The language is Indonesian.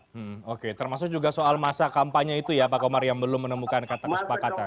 hmm oke termasuk juga soal masa kampanye itu ya pak komar yang belum menemukan kata kesepakatan